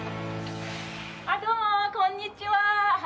どうも、こんにちは。